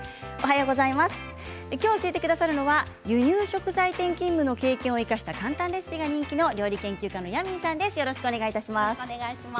きょう教えてくださるのは輸入食材店勤務の経験を生かした簡単レシピが人気の料理研究家のヤミーさんです。